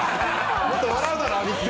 もっと笑うだろ。